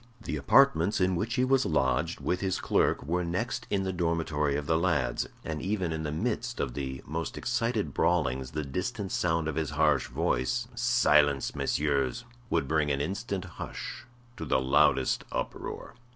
The apartments in which he was lodged, with his clerk, were next in the dormitory of the lads, and even in the midst of the most excited brawlings the distant sound of his harsh voice, "Silence, messieurs!" would bring an instant hush to the loudest uproar.